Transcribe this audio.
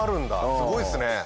すごいっすね。